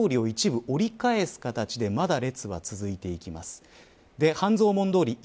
外堀通りを一部折り返す形でまだ列が続いていきます。